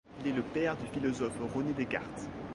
Il est le père du philosophe René Descartes.